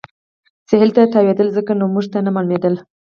سهېل ته تاوېدل، ځکه نو موږ ته نه معلومېدل.